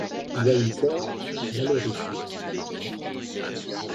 Il a une sœur, Valérie.